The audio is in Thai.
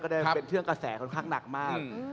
ได้เป็นเครื่องกระแสค่อนข้างหนักมาก